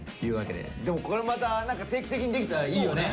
でもこれまた何か定期的にできたらいいよね。